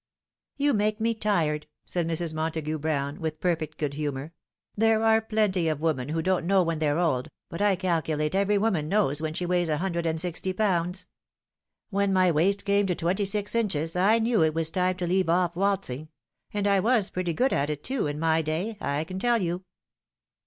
" You make me tired," said Mrs. Montagu Brown, with per fect good humour. ''There are plenty of women who don't know when they're old, but I calculate every woman knows when she weighs a hundred and sixty pounds. When my waist came to twenty six inches I knew it was time to leave off waltz ing ; and I was pretty good at it, too, in my day, I can tell you."